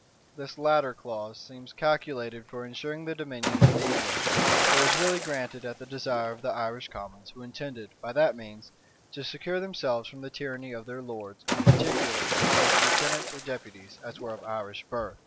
This latter clause seems calculated for insuring the dominion of the English; but was really granted at the desire of the Irish commons who intended, by that means, to secure themselves from the tyranny of their lords, particularly of such lieutenants or deputies as were of Irish birth.